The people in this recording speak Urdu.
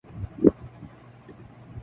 گھر میں راشن ختم ہو چکا ہے